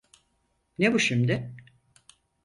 Ne bu şimdi?